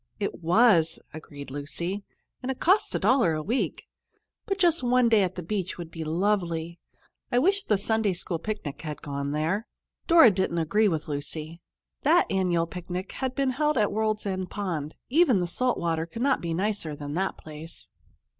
"It was," agreed Lucy. "And it cost a dollar a week. But just one day at the beach would be lovely. I wish the Sunday school picnic had gone there." Dora didn't agree with Lucy. That annual picnic had been held at World's End Pond. Even the salt water could not be nicer than that place.